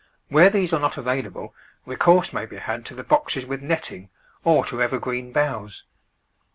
Where these are not available, recourse may be had to the boxes with netting, or to evergreen boughs.